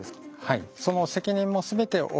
はい。